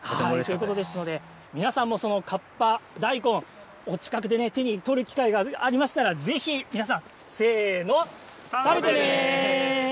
そういうことですので、皆さんも河童大根、お近くで手に取る機会がありましたら、ぜひ皆さん、せーの。